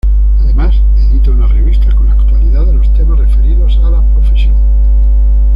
Además, edita una revista con la actualidad de los temas referidos a la profesión.